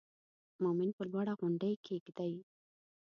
مومن پر لوړه غونډۍ کېږدئ.